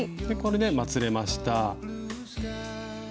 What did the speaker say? これでまつれました。